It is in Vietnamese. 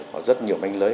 họ rất nhiều manh lưới